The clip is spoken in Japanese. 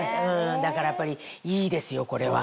だからやっぱりいいですよこれは。